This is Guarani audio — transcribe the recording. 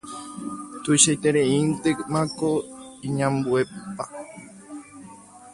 Tuichaitereíntemako iñambuepa